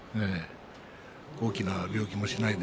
大きな病気もしないで。